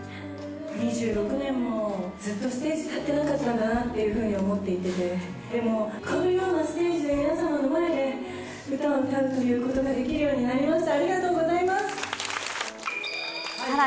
２６年もずっとステージ立ってなかったんだなって思っていて、でもこのようなステージで皆様の前で歌を歌えるということができるようになりました。